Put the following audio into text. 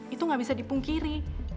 itu gak bisa dipungkiri